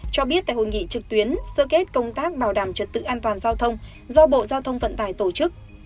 cho biết tại hội nghị trực tuyến sơ kết công tác bảo đảm trật tự an toàn giao thông do bộ giao thông vận tải tổ chức